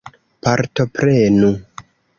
Partoprenu!